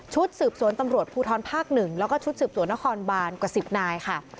สืบสวนตำรวจภูทรภาค๑แล้วก็ชุดสืบสวนนครบานกว่า๑๐นายค่ะ